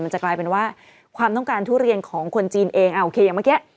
จะกลายเป็นว่าความต้องการทุเรียนของคนจีนเองโอเคอย่างเมื่อกี้